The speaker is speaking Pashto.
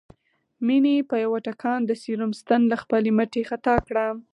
مينې په يوه ټکان د سيروم ستن له خپلې مټې خطا کړه